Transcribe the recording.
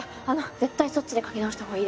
絶対そっちで描き直した方がいいですよ。